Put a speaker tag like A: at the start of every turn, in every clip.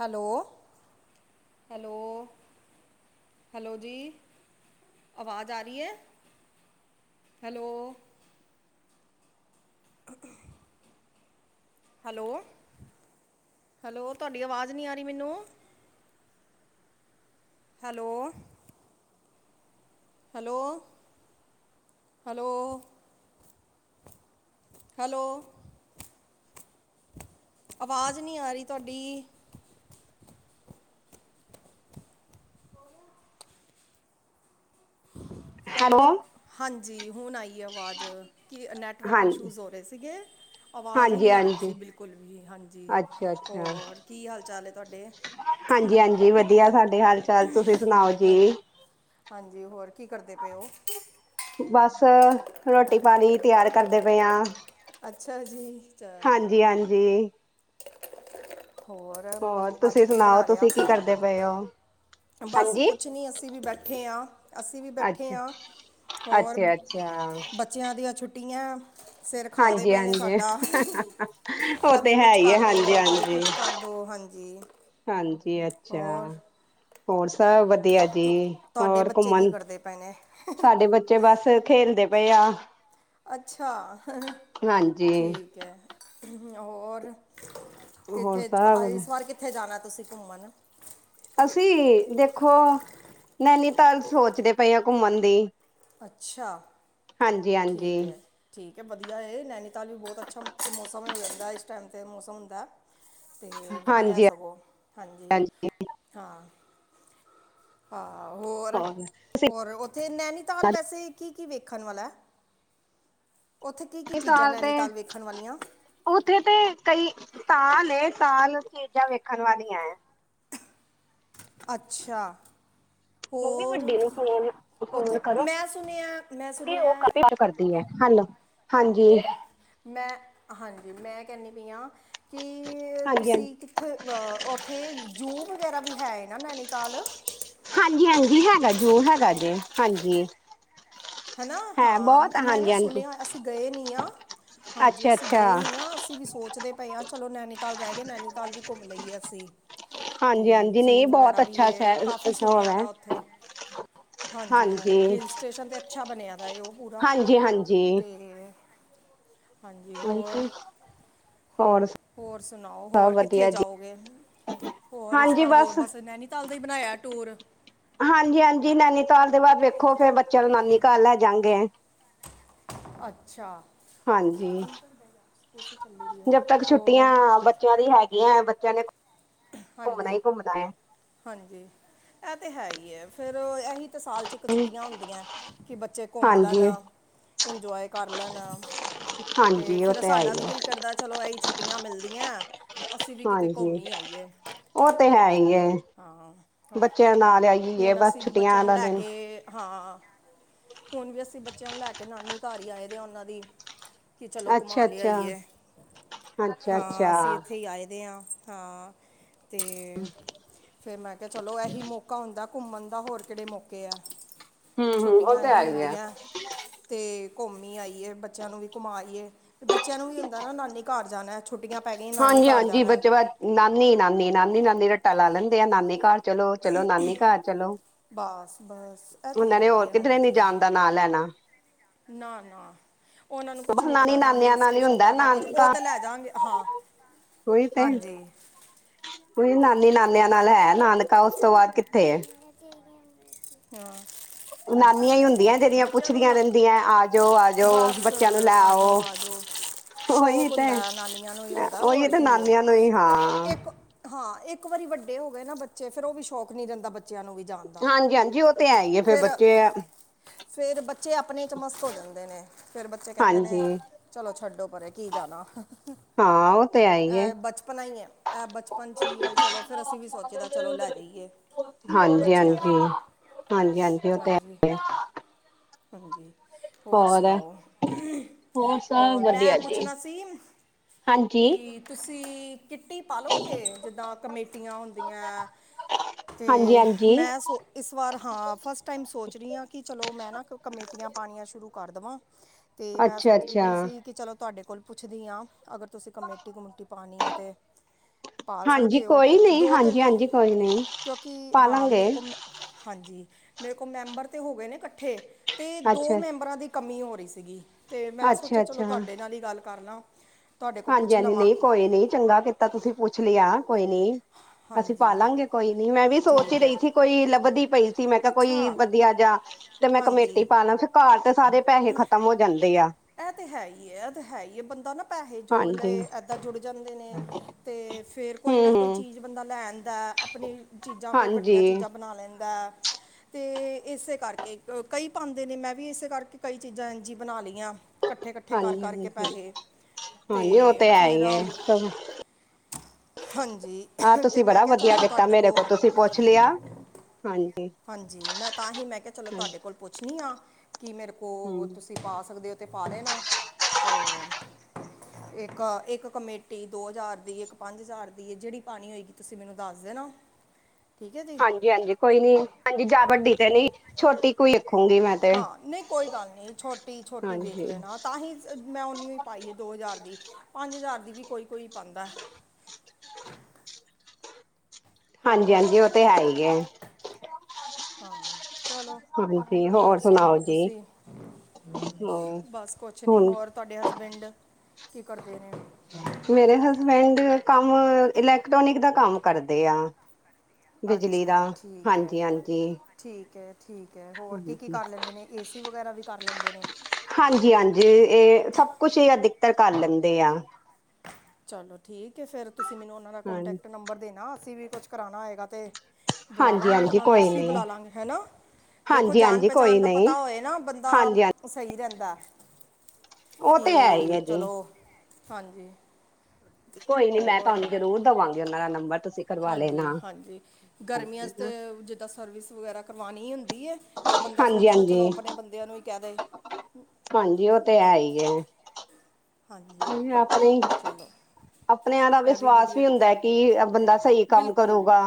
A: Hello hello hello ਜੀ ਆਵਾਜ਼ ਆ ਰਹੀ ਹੈ ਹੈਲੋ ਹੈਲੋ-ਹੈਲੋ ਤੁਹਾਡੀ ਆਵਾਜ਼ ਨਹੀਂ ਆ ਰਹੀ ਮੈਨੂੰ ਹੈਲੋ ਹੈਲੋ-ਹੈਲੋ ਹੈਲੋ ਆਵਾਜ਼ ਨਹੀਂ ਆ ਰਹੀ ਤੁਹਾਡੀ ਹੈਲੋ ਹਾਂਜੀ ਹੁਣ ਆਈ ਹੈ। ਆਵਾਜ਼ ਕੀ ਨੈਟਵਰਕ
B: ਹਾਂਜੀ
A: ਇਸ਼ੂਜ ਹੋ ਰਹੇ ਸੀਗੇ ਅਵਾਜ਼ ਹੀ
B: ਹਾਂਜੀ
A: ਨਹੀਂ ਆ ਰਹੀ ਸੀ
B: ਹਾਂਜੀ
A: ਬਿਲਕੁਲ ਵੀ ਹਾਂਜੀ
B: ਅੱਛਾ ਅੱਛਾ
A: ਹੋਰ ਕੀ ਹਾਲ ਚਾਲ ਹੈ। ਤੁਹਾਡੇ
B: ਹਾਂਜੀ ਹਾਂਜੀ ਵਧੀਆ ਸਾਡੇ ਹਾਲ ਚਾਲ ਤੁਸੀਂ ਸੁਣਾਓ
A: ਹਾਂ
B: ਜੀ
A: ਹਾਂਜੀ। ਹੋਰ ਕੀ ਕਰਦੇ ਪਓ
B: ਬਸ ਰੋਟੀ ਪਾਣੀ ਤਿਆਰ ਕਰਦੇ ਪਏ ਹਾਂ।
A: ਅੱਛਾ ਜੀ। ਚਲੋ
B: ਹਾਂਜੀ, ਹਾਂਜੀ। ਹੋਰ
A: ਅੱਜ
B: ਤੁਸੀਂ
A: ਕੀ
B: ਸੁਣਾਓ
A: ਬਣਾ ਲਿਆ
B: ਤੁਸੀਂ ਕੀ ਕਰਦੇ ਪਏ ਹੋ।
A: ਬਸ
B: ਹਾਂਜੀ
A: ਕੁਛ ਨੀ ਅਸੀਂ ਵੀ ਬੈਠੇ। [unintelligible] ਅਸੀਂ ਵੀ ਬੈਠੇ
B: ਅੱਛਾ
A: ਹਾਂ ਔਰ
B: ਅੱਛਾ ਅੱਛਾ
A: ਬੱਚਿਆਂ ਦੀਆਂ ਛੁੱਟੀਆਂ ਦੀਆਂ। ਸਿਰ ਖਾਂਦੇ
B: ਹਾਂਜੀ
A: ਪਏ ਨੇ
B: ਹਾਂਜੀ
A: ਸਾਡਾ
B: ਉਹ ਤੇ
A: ਕਦੇ
B: ਹੈ
A: ਕੁਛ
B: ਹੀ ਹੈ
A: ਕਰ ਦੋ,
B: ਹਾਂਜੀ
A: ਕਦੇ
B: ਹਾਂਜੀ
A: ਕੁਛ ਕਰ ਦੋ। ਹਾਂਜੀ।
B: ਹਾਂਜੀ। ਅੱਛਾ।
A: ਹੋਰ
B: ਹੋਰ ਸਭ ਵਧੀਆ ਜੀ
A: ਤੁਹਾਡੇ
B: ਹੋਰ
A: ਬੱਚੇ ਕੀ
B: ਘੁੰਮਣ
A: ਕਰਦੇ ਪਏ ਨੇ
B: ਸਾਡੇ ਬੱਚੇ ਬਸ ਖੇਲਦੇ ਪਿਆ।
A: ਅੱਛਾ
B: ਹਾਂਜੀ
A: ਠੀਕ ਹੈ। [unintelligible]
B: ਹੋਰ
A: ਕਿੱਥੇ
B: ਸਭ
A: ਇਸ ਵਾਰ ਕਿੱਥੇ ਜਾਣਾ ਤੁਸੀਂ ਘੁੰਮਣ ਨਾ
B: ਅਸੀਂ ਦੇਖੋ ਨੈਣੀਤਾਲ ਸੋਚਦੇ ਪਏ ਹਾਂ ਘੁੰਮਣ ਦੀ
A: ਅੱਛਾ
B: ਹਾਂਜੀ ਹਾਂਜੀ
A: ਠੀਕ ਹੈ ਠੀਕ। ਕਿ ਵਧੀਆ ਹੈ। ਇਹ ਨੈਨੀਤਾਲ ਵੀ ਬਹੁਤ ਅੱਛਾ ਮੌਸਮ ਜਾਂਦਾ ਇਸ ਟਾਈਮ 'ਤੇ ਮੌਸਮ ਹੁੰਦਾ ਤੇ ਵਧੀਆ
B: ਹਾਂਜੀ
A: ਸਗੋਂ ਹਾਂਜੀ ਹਾਂ। ਹਾਂ। ਹੋਰ ਹੋਰ। ਤੇ ਨੈਨੀਤਾਲ ਵੈਸੇ ਕੀ ਕੀ ਵੇਖਨ ਨਾਲੈ।
B: ਸਾਲ ਤੇ ਉੱਥੇ ਤੇ ਕਈ ਤਾਲ ਇਹ ਤਾਲ ਚੀਜ਼ਾਂ ਵੇਖਣ ਵਾਲੀਆਂ ਐ।
A: ਅੱਛਾ।
B: ਮੰਮੀ
A: ਹੋਰ
B: ਵੱਡੇ ਨੂੰ ਫੋ ਫੋਨ
A: ਉੱਥੇ
B: ਕਰੋ
A: ਮੈਂ ਸੁਣਿਆ ਮੈਂ
B: ਉਹ
A: ਸੁਣਿਆ
B: ਕ ਕਰਦੀ ਹੈ। ਹਾਂਜੀ।
A: ਮੈਂ ਹਾਂਜੀ। ਮੈਂ ਕੈਨੀਪਈ ਹਾਂ। ਕਿ
B: ਹਾਂਜੀ ਹਾਂਜੀ
A: ਤੁਸੀਂ ਕਿੱਥੇ ਅਹ ਉੱਥੇ ਜੂ ਵਗੈਰਾ ਵੀ ਹੈ। ਨੈਨੀ ਤਾਲ
B: ਹਾਂਜੀ ਹਾਂਜੀ ਹੈਗਾ ਜੋ ਹੈਗਾ ਜੇ ਹਾਂਜੀ।
A: ਹਨਾ
B: ਹੈ ਬਹੁਤ
A: ਹਾਂ, ਮੈਂ
B: ਹਾਂਜੀ
A: ਨਾ
B: ਹਾਂਜੀ
A: ਸੁਨਿਆ ਅਸੀਂ ਗਏ ਨੀ ਆ। ਹਾਂਜੀ,
B: ਅੱਛਾ
A: ਅਸੀਂ
B: ਅੱਛਾ
A: ਗਏ ਨੀ ਆ ਅਸੀਂ ਵੀ ਸੋਚਦੇ ਪਏ ਆ ਚਲੋ ਨੈਨੀਤਾਲ ਰਹਿ ਗਏ, ਨੈਨੀਤਾਲ ਵੀ ਘੁੰਮ ਲਈਏ ਅਸੀ
B: ਹਾਂਜੀ
A: ਤੇ
B: ਹਾਂਜੀ
A: ਜ਼ੂ
B: ਨਹੀਂ
A: ਵਗੈਰਾ
B: ਬਹੁਤ
A: ਵੀ
B: ਅੱਛਾ
A: ਏ ਕਾਫੀ
B: ਸ
A: ਸੁਨਆ
B: ਹੋਵੇ
A: ਦਾ ਉੱਥੇ ਹਾਂਜੀ ਹਾਂਜੀ ਹਿਲ ਸਟੇਸ਼ਨ ਤੇ ਅੱਛਾ ਬਨਿਆ।
B: ਹਾਂਜੀ ਹਾਂਜੀ
A: [unintelligible] ਹਾਂਜੀ, ਹੋਰ।
B: ਹੋਰ
A: ਹੋਰ ਸੁਨਾਉ,
B: ਸਭ
A: ਹੋਰ ਕਿੱਥੇ
B: ਵਧੀਆ ਜੀ
A: ਜਾਓਗੇ। ਹੋਰ ਇਸ ਵਾਰ ਹੋਰ ਬਸ ਨੈਨੀ ਤਾਲ ਦਾ ਹੀ ਬਨਾਇਐ ਟੂਰ।
B: ਹਾਂਜੀ ਹਾਂਜੀ ਨੈਨੀਤਾਲ ਦੇ ਬਾਅਦ ਵੇਖੋ ਫੇਰ ਬੱਚਿਆਂ ਨੂੰ ਨਾਨੀ ਘਰ ਲੈਂ ਜਾਗੇ।
A: ਅੱਛਾ।
B: ਹਾਂਜੀ, ਜਦ ਤੱਕ ਛੁੱਟੀਆਂ
A: ਹੋਰ
B: ਬੱਚਿਆਂ ਦੀ ਹੈਗੀਐ [unintelligible] ਘੁੰਮਨਾ
A: ਹਾਂਜੀ
B: ਹੀ ਘੁੰਮਨਾ ਏ।
A: ਐ ਤੇ ਹੈ ਹੀ ਹੈ ਫੇਰ ਉ ਏਹੀ ਸਾਲ ਚ ਇੱਕ ਛੁੱਟੀਆਂ ਹੁੰਦੀਐ ਕਿ ਬੱਚੇ ਘੁੰਮ ਲਨ
B: ਹਾਂਜੀ
A: ਇੰਜੋਏ ਕਰ ਲਨ ਤੇ
B: ਹਾਂਜੀ ਉਹ
A: ਫੇਰ
B: ਹੈ ਹੀ
A: ਸਾਡਾ ਵੀ
B: ਹੈ
A: ਦਿਲ ਕਰਦਾ ਚਲੋ ਇਹੀ ਛੁੱ ਛੁੱਟੀਆਂ ਮਿਲਦੀਐ ਤੇ ਅਸੀਂ ਵੀ ਕਿਤੇ ਘੁੰਮ
B: ਹਾਂਜੀ
A: ਈ ਆਈਏ।
B: ਉਹ ਤੇ ਹੈ ਏ,
A: ਹਾਂ ਹੋ-
B: ਬੱਚਿਆਂ ਨਾਲ ਆਈ ਏ
A: ਹੁਣ
B: ਬਸ
A: ਅਸੀਂ ਵੀ ਬੱਚਿਆਂ
B: ਛੁੱਟੀਆਂ
A: ਨੂੰ
B: ਦਾ
A: ਲੈ
B: ਦਿਨ
A: ਕੇ ਹਾਂ ਹੁਣ ਵੀ ਅਸੀਂ ਬੱਚਿਆਂ ਨੂੰ ਲੈ ਕੇ ਨਾਨੀ ਘਰ ਹੀ ਆਏ ਦੇ ਆ ਉਹਨਾਂ ਦੀ ਕਿ ਚਲੋ ਘੁੰਮਾ
B: ਅੱਛਾ ਅੱਛਾ
A: ਲਿਆਈਏ
B: ਅੱਛਾ
A: ਹਾਂ
B: ਅੱਛਾ
A: ਅਸੀਂ ਇੱਥੇ ਹੀ ਆਏ ਦੇ ਆ। ਹਾਂ। ਅਤੇ ਫਿਰ ਮੈਂ ਆ ਕਿਹਾ, ਚਲੋ ਐਹੀ ਮੌਕਾ ਹੁੰਦਾ ਘੁੰਮਣ ਦਾ ਹੋਰ ਕਿਹੜੇ ਮੌਕੇ ਐ।
B: ਹੂੰ ਹੂੰ, ਉਹ ਤੇ ਹੈ ਈ ਐ।
A: ਤੇ ਘੁੰਮ ਈ ਆਈਏ ਬੱਚਿਆਂ ਨੂੰ ਵੀ ਘੁੰਮਾਈ ਆਈਏ, ਬੱਚਿਆਂ ਨੂੰ ਵੀ ਹੁੰਦਾ ਨਾ ਨਾਨੀ ਘਰ ਜਾਣਾ ਛੁੱਟੀਆਂ ਪੈ ਗਈਆਂ ਨਾਨੀ
B: ਹਾਂਜੀ
A: ਘਰ
B: ਹਾਂਜੀ,
A: ਜਾਣਾ
B: ਬੱਚੇ ਬਸ ਨਾਨੀ, ਨਾਨੀ, ਨਾਨੀ। ਨਾਨੀ ਰੱਟਾ ਲਾ ਲੈਂਦੇ ਆ, ਨਾਨੀ ਘਰ ਚਲੋ ਚਲੋ, ਨਾਨੀ ਘਰ ਚਲੋ।
A: ਬਸ ਬਸ ਇਹ ਤੇ
B: ਉਹਨਾਂ
A: ਹੈ
B: ਨੇ ਹੋਰ ਕਿਧਰੇ ਨਿ ਜਾਨ ਦਾ ਨਾਂ ਲੈਣਾ
A: ਨਾ-ਨਾ ਉਹਨਾਂ ਨੂੰ ਕੁਛ
B: ਬਸ
A: ਨੀ
B: ਨਾਨੀ
A: ਪਤਾ ਨਾ ਹਿਲ
B: ਨਾਨਿਆਂ ਨਾਲ ਹੀ
A: ਸਟੇਸ਼ਨ
B: ਹੁੰਦਾ
A: ਦਾ ਨਾ ਕੁਝ ਉਹ
B: ਨਾਨਕਾ
A: ਤਾਂ ਲੈ ਜਾਗੇ ਹਾਂ
B: ਉਹੀ ਤੇ
A: ਹਾਂਜੀ
B: ਉਹੀ ਨਾਨੀ ਨਾਨਿਆਂ ਨਾਲ ਹੈ ਨਾਨਕਾ ਉਸ ਤੋਂ ਬਾਅਦ ਕਿੱਥੇ
A: ਹਾਂ
B: ਨਾਨੀਆਂ
A: ਬਿਲਕੁਲ
B: ਹੀ
A: ਇਹ ਤੇ
B: ਹੁੰਦੀਆਂ
A: ਹੈ ਹੈ
B: ਜਿਹੜੀਆਂ
A: ਬੱਚਿਆਂ ਨੂੰ
B: ਪੁੱਛਦੀਆਂ
A: ਨਾ
B: ਰਹਿੰਦੀਆਂ ਆ ਜਾਓ ਆ ਜਾਓ
A: ਬਸ
B: ਬੱਚਿਆਂ ਨੂੰ
A: ਆ ਜਾਓ
B: ਲੈਓ
A: ਆ ਜਾਓ
B: ਉਹੀ
A: ਸ਼ੌਕ
B: ਤੇ
A: ਹੁੰਦਾ ਹੈ, ਨਾਨੀਆਂ ਨੂੰ ਹੀ ਹੁੰਦਾ
B: ਉਹੀ
A: ਹੋਰ
B: ਤੇ
A: ਕੀ ਹੈ
B: ਨਾਨੀਆਂ ਨੂੰ ਹੀ
A: ਤੇ
B: ਹਾਂ
A: ਇੱਕ ਹਾਂ ਇੱਕ ਵਾਰੀ ਵੱਡੇ ਹੋ ਗਏ ਨਾ ਬੱਚੇ ਫੇਿਰ ਉਹ ਵੀ ਸ਼ੌਕ ਨਹੀਂ ਰਹਿੰਦਾੱ ਬਚ
B: ਹਾਂਜੀ-ਹਾਂਜੀ ਉਹ ਤੇ ਹੈ ਈਏ ਫੇਿਰ ਬੱਚੇ ਏ
A: ਫੇਰ ਬੱਚ ਬੱਚੇ ਆਪਣੇ ਚ ਮਸਤ ਹੋ ਜਾਂਦੇ ਨੇ ਫੇਰ ਬੱਚੇ ਕਹਿੰਦੇ ਨੇ
B: ਹਾਂਜੀ
A: ਚਲੋ ਛੱਡੋ ਪਰ ਕੀ ਗਾਣਾ
B: ਹਾਂ ਉਹ ਤੇ ਹੈ ਹੀ ਹੈ
A: ਇਹ ਬਚਪਨਾ ਹੀ ਹੈ ਇਹ ਬਚਪਨ ਚ ਹੀ ਹੈ ਚਲੋ ਫਿਰ ਅਸੀਂ ਵੀ ਸੋਚਦੇ ਚਲੋ ਲੈ ਜਾਈਏ
B: ਹਾਂਜੀ ਹਾਂਜੀ
A: ਬੱਚਿਆਂ ਨੂੰ
B: ਹਾਂਜੀ ਉਹ ਤੇ
A: ਹਾਂਜੀ
B: ਹੈ
A: ਹਾਂਜੀ ਹੋਰ ਸੁਣਾਓ ਹੋਰ ਮੈਂ ਪੁੱਛਣਾ ਸੀ
B: ਹਾਂਜੀ
A: ਕਿ ਤੁਸੀਂ [inaudible] ਕਿੱਟੀ ਪਾਾਲੋਗੇ ਜਿੱਦਾਂ ਕਮੇਟੀਆਂ ਹੁੰਦੀਆਂ
B: ਹਾਂਜੀ
A: ਤੇ
B: ਹਾਂਜੀ
A: ਮੈਂ ਸੋ ਇਸ ਵਾਰ ਹਾਂ ਫਸਟ ਟਾਈਮ ਸੋਚ ਰਹੀ ਹਾਂ ਕਿ ਚਲੋ ਮੈਂ ਨਾ ਕਮੇਟੀਆਂ ਪਾਉਣੀਆਂ ਸ਼ੁਰੂ ਕਰ ਦੇਵਾਂ ਤੇ ਮੈਂ
B: ਅੱਛਾ
A: ਸੋਚਦੀ
B: ਅੱਛਾ
A: ਵੀ ਸੀ ਕਿ ਚਲੋ ਤੁਹਾਡੇ ਕੋਲ ਪੁੱਛਦੀ ਹਾਂ ਅਗਰ ਤੁਸੀਂ ਕਮੇਟੀ-ਕਮੇਟੀ ਪਾਣੀ ਏ ਤੇ ਪਾ
B: ਹਾਂਜੀ
A: ਸਕਦੇ ਹੋ
B: ਕੋਈ ਨਹੀਂ
A: ਦੋ ਤਿੰਨ
B: ਹਾਂਜੀ ਹਾਂਜੀ ਕੋਈ ਨਹੀਂ
A: ਕਿਉਂਕਿ
B: ਪਾ
A: ਹਾਂ
B: ਲਾਂਗੇ
A: ਮੇਰੇ ਕੋਲ ਮੈਂ ਹਾਂਜੀ ਮੇਰੇ ਕੋਲ ਮੈਂਬਰ ਤੇ ਹੋ ਗਏ ਨੇ ਇਕੱਠੇ ਤੇ ਦੋ
B: ਅੱਛਾ
A: ਮੈਂਬਰਾਂ ਦੀ ਕਮੀ ਹੋ ਰਹੀ ਸੀਗੀ ਅਤੇ ਮੈਂ
B: ਅੱਛਾ
A: ਸੋਚਿਆ ਚਲੋ ਤੁਹਾਡੇ ਨਾਲ ਹੀ ਗੱਲ ਕਰ ਲਾਂ ਤੁਹਾਡੇ ਕੋਲ ਪੁੱਛ
B: ਹਾਂਜੀ-ਹਾਂਜੀ
A: ਲਵਾਂ
B: ਨਹੀਂ ਕੋਈ ਨਹੀਂ ਚੰਗਾ ਕੀਤਾ ਤੁਸੀਂ ਪੁੱਛ ਲਿਆ ਕੋਈ ਨੀ ਅਸੀਂ
A: ਹਾਂਜੀ
B: ਪਾਾਲਾਂਗੇ ਕੋਈ ਨੀ ਮੈਂ ਵੀ ਸੋਚ ਹੀ
A: ਠੀਕ ਹੈ
B: ਰਹੀ ਸੀ ਕੋਈ ਲੱਭਦੀ ਪਈ ਮੈਂ ਕਿਹਾ
A: ਅੱਛਾ
B: ਕੋਈ ਵਧੀਆ ਜਾ ਤੇ ਮੈਂ
A: ਹਾਂਜੀ
B: ਕਮੇਟੀ ਪਾ ਲਾ ਫਿਰ ਘਰ ਤੇ ਸਾਰੇ ਪੈਸੇ ਖ਼ਤਮ ਹੋ ਜਾਂਦੇ ਆ
A: ਇਹ ਤੇ ਹੈ ਹੀ-ਇਹ ਤੇ ਹੈ ਹੀ [inaudible] ਪੈਸੇ ਜੋੜ
B: ਹਾਂਜੀ
A: ਲਏ ਇਏਦਾਂ ਜੁੜ ਜਾਂਦੇ ਨੇ ਤੇ ਫੇਰ
B: ਹੂੰ
A: ਕੋਈ ਨਾ ਕੋਈ
B: ਹੂੰ
A: ਚੀਜ਼ ਬੰਦਾ ਲੈਣ ਦਾ ਆਪਣੀ ਚੀਜ਼ਾਂ ਕੋਈ ਵੱਡੀਆਂ
B: ਹਾਂਜੀ
A: ਚੀਜ਼ਾਂ ਬਣਾ ਲੈਂਦਾ ਤੇ ਇਸੇ ਕਰਕੇ ਕਈ ਪਾਾਂਂਦੇ ਨੇ ਮੈਂ ਵੀ ਇਸੇ ਕਰਕੇ ਕਈ ਚੀਜ਼ਾਂ ਜ ਬਣਾ ਲਈਆਂ ਇਕੱਠੇ-ਇਕੱਠੇ ਕਰ
B: ਹਾਂਜੀ
A: ਕਰਕੇ
B: ਹਾਂਜੀ
A: ਪੈਸੇ ਤੇ
B: ਹਾਂਜੀ ਉਹ ਹੈ
A: ਫਿਰ
B: ਹੀ ਹੈ ਸਭ
A: ਹਾਂਜੀ
B: ਆਹ
A: ਤੇ
B: ਤੁਸੀਂ
A: ਮੈਂ
B: ਬੜਾ
A: ਕਿਹਾ
B: ਵਧੀਆ
A: ਚਲੋ
B: ਕੀਤਾ
A: ਤੁਹਾਡੇ
B: ਮੇਰੇ
A: ਕੋਲ
B: ਤੁਸੀਂ ਪੁੱਛ ਲਿਆ ਹਾਂਜੀ
A: ਹਾਂਜੀ ਮੈਂ ਤਾਂ ਹੀ ਮੈਂ ਕਿਹਾ ਚਲੋ
B: ਹਾਂਜੀ
A: ਤੁਹਾਡੇ ਕੋਲ ਪੁੱਛਣੀ ਆ ਕੀ ਮੇਰੇ ਕੋਲ
B: ਹਮ
A: ਤੁਸੀਂ ਪਾ ਸਕਦੇ ਹੋ ਤੇ ਪਾ ਲਣਾ ਤੇ ਇੱਕ-ਇੱਕ ਕਮੇਟੀ ਦੋ ਹਜ਼ਾਰ ਦੀ ਇੱਕ ਪੰਜ ਹਜ਼ਾਰ ਦੀ ਜਿਹੜੀ ਪਾਣੀ ਹੋਏਗੀ ਤੁਸੀਂ ਮੈਨੂੰ ਦੱਸ ਦੇ ਨਾ
B: ਹਾਂਜੀ-ਹਾਂਜੀ ਕੋਈ ਨੀ ਹਾਂਜੀ ਜਾ ਵੱਡੀ ਤੇ ਨਹੀਂੀ ਛੋਟੀ ਕੋਈ ਰੱਖੂਗੀ ਮੈਂ ਤੇ
A: ਹਾਂ ਨਹੀਂ ਕੋਈ ਗੱਲ ਨਹੀਂੀ ਛੋਟੀ-ਛੋਟੀ ਵੇਖ
B: ਹਾਂਜੀ
A: ਲੈਣਾ ਤਾਂ ਹੀ ਮੈਂ ਓਨੀ ਹੀ ਪਾਈ ਹੈ ਦੋ ਹਜ਼ਾਰ ਦੀ ਪੰਜ ਹਜ਼ਾਰ ਵੀ ਕੋਈ-ਕੋਈ ਪਾਉਂਦਾ ਹੋਰ
B: ਹਾਂਜੀ-ਹਾਂਜੀ ਉਹ ਤੇ ਹੈ ਹੀ ਐ
A: ਹਾਂ ਚਲੋ ਹੋਰ ਸੁਣਾਓ ਤੁਸੀਂ
B: ਹੋਰ
A: ਬਸ ਕੁਛ ਨਹੀਂ
B: ਹੁਣ
A: ਹੋਰ ਤੁਹਾਡੇ ਹਸਬੈਂਡ ਕੀ ਕਰਦੇ ਇਹ ਨੇ
B: ਮੇਰੇ ਹਸਬੈਂਡ ਕੰਮ ਇਲੈਕਟ੍ਰੋਨਿਕ ਦਾ ਕੰਮ ਕਰਦੇ ਆ ਬਿਜਲੀ ਦਾ
A: ਅੱਛਾ ਠੀਕ ਹੈ
B: ਹਾਂਜੀ-ਹਾਂਜੀ
A: ਠੀਕ ਹੈ ਠੀਕ ਹੈਏ ਹੋਰ ਕੀ-ਕੀ ਕਰ ਲੈਂਦੇ ਨੇ ਏਸੀ ਵਗੈਰਾ ਵੀ ਕਰ ਲੈਂਦੇ ਨੇ
B: ਹਾਂਜੀ-ਹਾਂਜੀ ਇਹ ਸਭ ਕੁਛ ਹੀ ਆ ਤਰ ਕਰ ਲੈਂਦੇ ਆ
A: ਚਲੋ ਠੀਕ ਫੇਰ ਤੁਸੀਂ ਮੈਨੂੰ ਉਹਨਾਂ ਦਾ
B: ਹਾਂਜੀ
A: ਕੋਂਟੈਕਟ ਨੰਬਰ ਦੇਣਾ ਅਸੀਂ ਵੀ ਕੁਛ ਕਰਾਉਣਾ ਹੈਏਗਾ ਤੇ ਬੁਲਾ
B: ਹਾਂਜੀ
A: ਲਾਂਗੇ
B: ਹਾਂਜੀ
A: ਉਹਨਾਂ ਨੂੰ
B: ਕੋਈ
A: ਅਸੀਂ
B: ਨੀ
A: ਬੁਲਾ ਲਾਂਗੇ ਹਨਾ ਦੇਖੋ
B: ਹਾਂਜੀ
A: ਜਾਣ
B: ਹਾਂਜੀ ਕੋਈ
A: ਪਹਿਚਾਣ ਦਾ
B: ਨੀ
A: ਪਤਾ ਹੋਏ ਨਾ ਬੰਦਾ
B: ਹਾਂਜੀ ਹਾਂ
A: ਸਹੀ ਰਹਿੰਦਾ ਦਾ
B: ਉਹ ਤੇ ਹੈ ਹੀ ਆ ਜੀ
A: ਹਾਂਜੀ
B: ਕੋਈ ਨੀ ਮੈਂ
A: ਹੋਰ
B: ਤੁਹਾਨੂੰ ਜਰੂਰ ਦੇਵਾਂਗੀ ਉਹਨਾਂ ਦਾ ਨੰਬਰ ਤੁਸੀਂ ਕਰਵਾ ਲੈਣਾ
A: ਹਾਂਜੀ ਹਾਂਜੀ ਗਰਮੀਆਂ ਚ ਤੇ ਜਿੱਦਾਂ ਸਰਵਿਸ ਵਗੈਰਾ ਕਰਵਾਣੀ ਹੁੰਦੀ ਹੁੰਦੀ ਐ ਤੇ ਬੰਦਾ
B: ਹਾਂਜੀ
A: ਸੋਚਦਾ ਚਲੋ
B: ਹਾਂਜੀ
A: ਆਪਣੇ ਬੰਦਿਆਂ ਨੂੰ ਹੀ ਕਹਿ ਦੇ
B: ਐ
A: ਹਾਂਜੀ
B: ਆਪਣੇ
A: ਚਲੋ
B: ਆਪਣਿਆਂ ਦਾ
A: ਇਹ
B: ਵਿਸ਼ਵਾਸ
A: ਵਧੀਆ
B: ਵੀ
A: ਕੀਤਾ
B: ਹੁੰਦਾ ਕਿ ਬੰਦਾ ਸਹੀ ਕੰਮ
A: ਬਿਲਕੁਲ
B: ਕਰੂਗਾ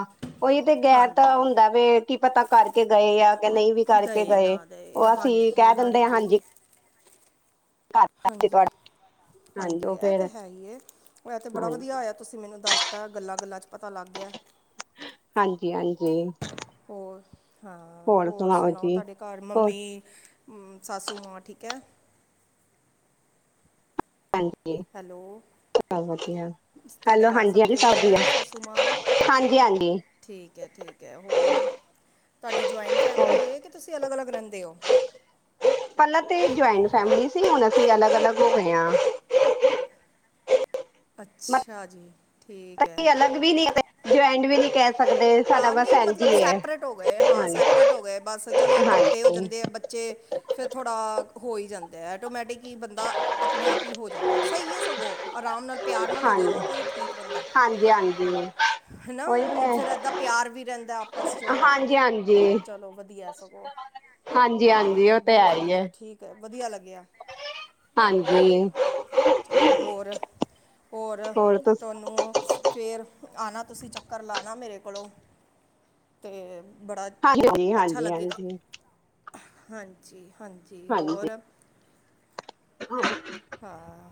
B: ਉਹੀ ਤੇ ਗੈਰ ਤਾਂ
A: ਹਾਂਜੀ
B: ਹੁੰਦਾ ਵੀ ਕੀ ਪਤਾ ਕਰਕੇ ਗਏ ਆ ਕਿ ਨਹੀਂ ਵੀ ਕਰਕੇ
A: ਦਏ
B: ਗਏ
A: ਨਾ ਦਏ
B: ਉਹ ਅਸੀਂ
A: ਹਾਂਜੀ
B: ਕਹਿ ਦਿੰਦੇ ਆ ਹਾਂਜੀ
A: ਹਾਂਜੀ
B: ਤੁਹਾਡਾ
A: ਹਾਂਜੀ
B: ਉਹ
A: ਇਹ
B: ਫੇਰ
A: ਤੇ ਹੈ ਹੀ ਉਹ ਇਹ ਤੇ ਬੜਾ
B: ਹਾਂਜੀ
A: ਵਧੀਆ ਹੋਇਆ ਤੁਸੀਂ ਮੈਨੂੰ ਦੱਸਤਾ ਗੱਲਾਂ ਗੱਲਾਂ ਚ ਪਤਾ ਲੱਗ ਗਿਆ ਐ
B: ਹਾਂਜੀ ਹਾਂਜੀ
A: ਹੋਰ ਹਾਂ ਹੋਰ ਸੁਣਾਓ ਤੁਹਾਡੇ ਘਰ
B: ਹੋਰ
A: ਮੰਮੀ ਸਾਸੂ ਮਾਂ ਠੀਕ ਹੈ
B: ਹਾਂਜੀ
A: ਹੈਲੋ
B: ਸਭ ਵਧੀਆ
A: ਤੁਹਾਡੇ
B: ਹੈਲੋ
A: ਘਰ ਸਭ
B: ਹਾਂਜੀ ਹਾਂਜੀ
A: ਠੀਕ
B: ਵਧੀਆ
A: ਹੈ ਸਾਸੂ ਮਾਂ
B: ਹਾਂਜੀ ਹਾਂਜੀ
A: ਠੀਕ ਹੈ ਠੀਕ ਹੈ ਹੋਰ ਤੁਹਾਡੀ ਜੁਆਇੰਟ ਫੈਮਿਲੀ ਹੈ ਕਿ ਤੁਸੀਂ ਅਲੱਗ ਅਲੱਗ ਰਹਿੰਦੇ ਹੋ
B: ਪਹਿਲਾਂ ਤੇ ਜੁਆਇੰਟ ਫੈਮਲੀ ਸੀ ਹੁਣ ਅਸੀਂ ਅਲੱਗ ਅਲੱਗ ਹੋ ਗਏ ਹਾਂ ਮਤਲਬ
A: ਅੱਛਾ ਜੀ ਠੀਕ ਹੈ
B: ਜੁਇੰਟ ਵੀ ਨੀ ਕਹਿ ਸਕਦੇ ਸਾਡਾ
A: ਹਾਂ
B: ਬਸ
A: ਨਹੀਂ
B: ਇੰਝ
A: ਮਤਲਬ
B: ਹੀ ਹੈ
A: ਸੈਪਰੇਟ ਹੋ ਗਏ ਹਾਂ
B: ਹਾਂਜੀ
A: ਸੈਪਰੇਟ ਹੋ ਗਏ ਬਸ ਚਲੋ ਵੱਡੇ ਹੋ
B: ਹਾਂਜੀ
A: ਜਾਂਦੇ ਆ ਬੱਚੇ ਫੇਰ ਥੋੜ੍ਹਾ ਹੋ ਹੀ ਜਾਂਦਾ ਹੈ ਐਟੋਮੈਟਿਕ ਕਿ ਬੰਦਾ ਆਪਣੇ ਆਪ ਹੀ ਹੋ ਜਾਂਦੇ ਸਹੀ ਹੈ ਸਗੋਂ ਆਰਾਮ ਨਾਲ ਪਿਆਰ ਨਾਲ ਹੋ ਜੇ
B: ਹਾਂਜੀ
A: ਨਾ ਉਹੀ ਠੀਕ ਰਹਿੰਦਾ
B: ਹਾਂਜੀ ਹਾਂਜੀ
A: ਹਨਾ
B: ਉਹੀ ਤਾਂ
A: ਫਿਰ ਇੱਦਾਂ ਪਿਆਰ ਵੀ ਰਹਿੰਦਾ ਆਪਸ 'ਚ
B: ਹਾਂਜੀ ਹਾਂਜੀ
A: ਚਲੋ ਵਧੀਆ ਸਗੋਂ
B: ਹਾਂਜੀ
A: ਹਾਂ
B: ਹਾਂਜੀ
A: ਨਹੀਂ
B: ਉਹ ਤੇ ਹੈ
A: ਬਹੁਤ
B: ਹੀ ਹੈ
A: ਵਧੀਆ ਠੀਕ ਹੈ ਵਧੀਆ ਲੱਗਿਆ ਹਾਂਜੀ ਚਲੋ ਹੋਰ ਹੋਰ ਤੁਹਾਨੂੰ ਫਿਰ ਆਉਣਾ ਤੁਸੀਂ ਚੱਕਰ ਲਾਉਣਾ ਮੇਰੇ ਕੋਲੋਂ। ਤੇ
B: ਹਾਂਜੀ ਹਜੀ ਹਾਂਜੀ ਹਾਂਜੀ।
A: ਹਾਂਜੀ। ਹਾਂਜੀ ਹੋਰ?
B: ਹੂੰ।
A: ਹਾਂ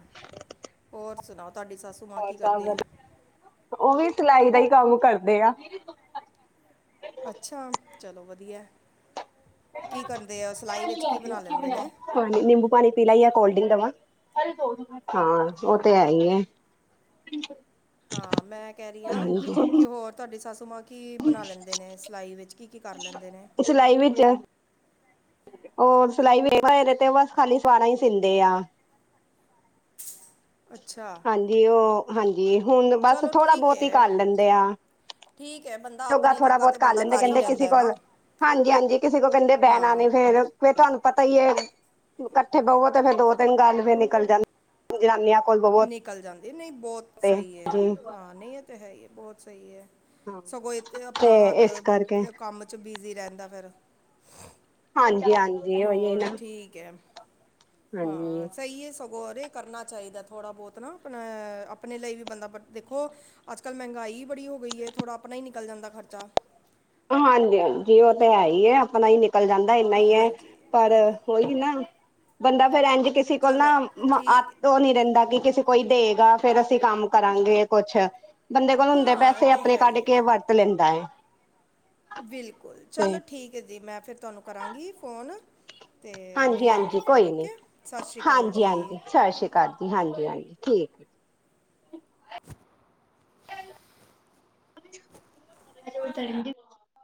A: ਹੋਰ ਸੁਣਾਓ। ਤੁਹਾਡੀ ਸੱਸੂ ਮਾਂ ਕੀ
B: ਸਭ
A: ਕਰਦੇ ਐ?
B: ਵਧੀਆ ਉਹ ਵੀ ਸਿਲਾਈ ਦਾ ਈ ਕੰਮ ਕਰਦੇ ਆ।
A: ਅੱਛਾ ਚਲੋ ਵਧੀਆ ਐ। ਲੈਂਦੇ ਨੇ
B: ਪਾਣੀ ਨਿੰਬੂ ਪਾਣੀ ਪੀਲਾ ਜਾ ਕੋਲਡ ਡਿੰਕ ਦਵਾਂ। ਹਾਂ ਉਹ ਤੇ ਹੈ ਈ ਐ।
A: ਹਾਂ ਮੈਂ ਕਹਿ ਰਹੀ ਆ ਕਿ ਹੋਰ ਤੁਹਾਡੀ ਸਾਸੂ ਮਾਂ ਕੀ ਬਣਾ ਲੈਂਦੇ ਨੇ ਸਿਲਾਈ ਵਿੱਚ ਕੀ ਕੀ ਕਰ ਲੈਂਦੇ ਨੇ
B: ਸਿਲਾਈ ਵਿੱਚ ਹੋਰ ਸਿਲਾਈ [unintelligible] ਤੇ ਬਸ ਖਾਲੀ ਸਲਵਾਰਾਂ ਈ ਸਿੰਦੇ ਆ।
A: ਅੱਛਾ
B: ਹਾਂਜੀ ਉਹ ਹਾਂਜ ਜੀ ਹੁਣ ਬਸ
A: ਚਲੋ
B: ਥੋੜਾ
A: ਠੀਕ
B: ਬਹੁਤ ਈ ਕਰ
A: ਹੈ
B: ਲੈਂਦੇ ਆ।
A: ਠੀਕ ਹੈ ਬੰਦਾ
B: ਯੋਗਾ
A: ਆਪਣੇ
B: ਥੋੜਾ
A: ਜੋਗਾ
B: ਬਹੁਤ
A: ਤਾਂ
B: ਕਰ
A: ਬੰਦਾ
B: ਲੈਂਦੇ।
A: ਹੀ
B: ਕਹਿੰਦੇ
A: ਲੈਂਦਾ
B: ਕਿਸੇ
A: ਹੈ
B: ਕੋਲ
A: ਨਾ
B: ਹਾਂਜੀ-ਹਾਂਜੀ ਕਿਸੇ ਕੋਲ ਕਹਿੰਦੇ ਬਹਿਣਾ
A: ਹਾਂ
B: ਨਹੀਂ ਫਿਰ ਫਿਰ ਤੁਹਾਨੂੰ ਪ ਤਾ ਈ ਏ ਕੱਠੇ ਬਵੋ ਤੇ ਫੇਰ ਦੋ ਤਿੰਨ ਗੱਲ ਫਫਿਰ ਨਿਕਲ ਜਾਂ ਜਨਾਨੀਆਂ ਕੋਲ ਬਵੋ
A: ਨਿਕਲ ਜਾਂਦੇ ਨਹੀਂ ਬਹੁਤ
B: ਤੇ
A: ਸਹੀ ਐ
B: ਜੀ
A: ਹਾਂ ਨਹੀਂ ਇਹ ਤੇ ਹੈ ਹੀ ਹੈ ਬਹੁਤ ਸਹੀ ਐ।
B: ਹਾਂ
A: ਸਗੋਂ ਇਥੇ
B: ਤੇ
A: ਆਪਣਾ ਹੱਥ
B: ਇਸ ਕਰਕੇ
A: ਕੰਮ ਚ ਬਿਜੀ ਰਹਿੰ ਕਦਾ ਫਿਰ?
B: ਹਾਂਜੀ। ਹਾਂਜੀ ਓਹੀ ਐ
A: ਹੋਰ
B: ਨਾ।
A: ਠੀਕ ਹੈ
B: ਹਾਂਜੀ,
A: ਹਾਂ ਸਹੀ ਐ ਸਭ। ਹੋਰ ਇਹ ਕਰਨਾ ਚਾਹੀਦਾ ਥੋੜਾ ਬਹੁਤ ਨਾ ਅਪਣਾ ਆਪਣੇ ਲਈ ਵੀ ਬੰਦਾ ਬ ਦੇਖੋ ਅੱਜਕਲ ਮਹਿੰਗਾਈ ਬੜੀ ਹੋ ਗਈ ਏ ਥੋੜ੍ਹਾ ਆਪਣਾ ਈ ਨਹੀਂ ਨਿਕਲ ਜਾਂਦਾ ਖਰਚਾ।
B: ਹਾਂਜੀ-ਹਾਂਜੀ ਓ ਤਾਂ ਹੈ ਈ ਐ ਆਪਣਾ ਈ ਨਿ ਕਲ ਜਾਂਦਾ ਏਨਾ ਈ ਐ
A: ਹਾਂਜੀ
B: ਪਰ
A: ਬਿਲਕੁਲ
B: ਓਹੀ ਨਾ ਬੰਦਾ ਫੇਰ ਐਂਜ ਕਿਸੇ ਕੋਲ ਨਾ
A: ਚਲੋ
B: ਆ
A: ਠੀਕ ਹੈ।
B: ਓ ਨੀ ਰਹਿੰਦਾ ਕਿ ਕੋਈ ਦੇਗਾ ਫੇਰ ਅਸੀਂ ਕੰਮ ਕਰਾਂਗੇ ਕੁੱਛ ਬੰਦੇ ਕੋਲ ਹੁੰਦੇ
A: ਹਾਂ ਇਹ
B: ਪੈਸੇ
A: ਤੇ
B: ਆਪਣੇ
A: ਹੈ
B: ਕੱਢ ਕੇ ਵਰਤ ਲੈਂਦਾ ਐ
A: ਬਿਲਕੁੱਲ ਚਲੋ ਠੀਕ ਐ ਦੀ ਮੈਂ ਫਿਰ ਤੁਹਾਨੂੰ ਕਰਾਂਗੀ ਫੋਨ ਤੇ ਮਿਲਾਂਗੇ
B: ਹਾਂਜੀ-ਹਾਂਜੀ
A: ਫਿਰ
B: ਕੋਈ ਨੀ
A: ਓਕੇ ਸਤਿ ਸ਼੍ਰੀ ਅਕਾਲ ਜੀ
B: ਹਾਂਜੀ-ਹਾਂਜੀ ਸਤਿ ਸ੍ਰੀ ਅਕਾਲ ਜੀ ਹਾਂਜੀ-ਹਾਂਜੀ ਠੀਕ ਏ [unintelligible] [inaudible]